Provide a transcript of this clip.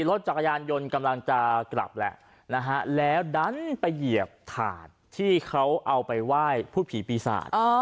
รถจักรยานยนต์กำลังจะกลับแหละนะฮะแล้วดันไปเหยียบถาดที่เขาเอาไปไหว้พูดผีปีศาจ